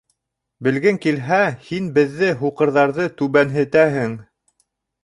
Белгең килһә, һин беҙҙе, һуҡырҙарҙы, түбәнһетәһең.